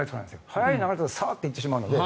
速い流れだとサーっと行ってしまうので。